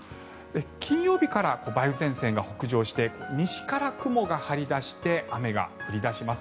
金曜日から梅雨前線が北上して西から雲が張り出して雨が降り出します。